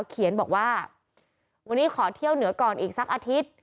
เขียนบอกว่าวันนี้ขอเที่ยวเหนือก่อนอีกสักอาทิตย์